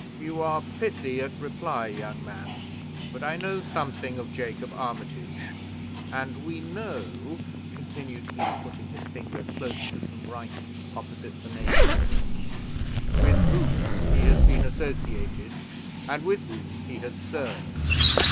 "You are pithy at reply, young man; but I know something of Jacob Armitage, and we know," continued he, putting his finger close to some writing opposite the name on the list, "with whom he has associated, and with whom he has served.